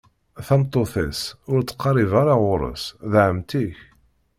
Tameṭṭut-is, ur tettqerribeḍ ara ɣur-s: D ɛemmti-k.